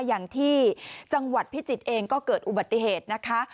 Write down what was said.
อย่างที่จังหวัดพิจิตรเองก็เกิดอุบัติเหตุนะคะ